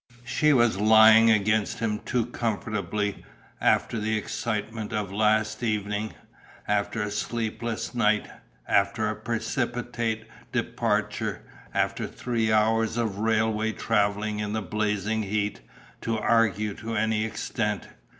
She was lying against him too comfortably, after the excitement of last evening, after a sleepless night, after a precipitate departure, after a three hours' railway journey in the blazing heat, to argue to any extent.